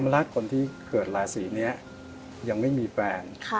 รักคนที่เกิดราศีนี้ยังไม่มีแฟน